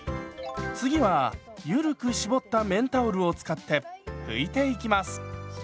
次はゆるく絞った綿タオルを使って拭いていきます。